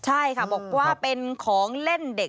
ใช่ค่ะบอกว่าเป็นของเล่นเด็ก